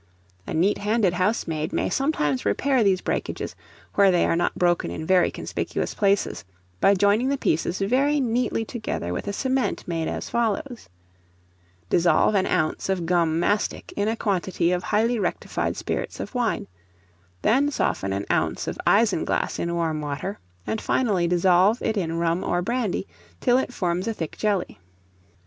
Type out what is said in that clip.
A neat handed housemaid may sometimes repair these breakages, where they are not broken in very conspicuous places, by joining the pieces very neatly together with a cement made as follows: Dissolve an ounce of gum mastic in a quantity of highly rectified spirits of wine; then soften an ounce of isinglass in warm water, and, finally, dissolve it in rum or brandy, till it forms a thick jelly.